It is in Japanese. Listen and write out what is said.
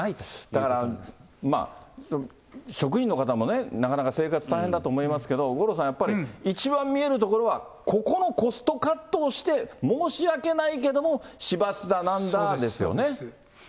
だから、職員の方もね、なかなか生活大変だと思いますけど、五郎さん、やっぱり一番見えるところは、ここのコストカットをして、申し訳ないけども、市バスだなんだですよね。